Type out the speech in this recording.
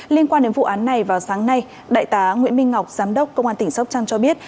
liên quan đến vụ án này vào sáng nay đại tá nguyễn minh ngọc giám đốc công an tỉnh sóc trăng cho biết